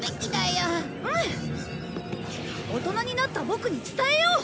大人になったボクに伝えよう！